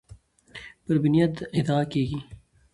پر بنیاد ادعا کیږي